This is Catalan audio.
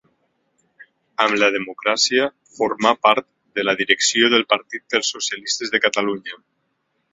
Amb la democràcia formà part de la direcció del Partit dels Socialistes de Catalunya.